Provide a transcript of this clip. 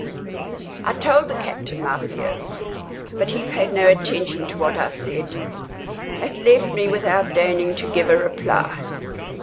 I told the captain my fears; but he paid no attention to what I said, and left me without deigning to give a reply.